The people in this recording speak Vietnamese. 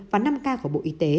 và năm k của bộ y tế